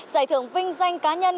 giải thưởng vinh danh cá nhân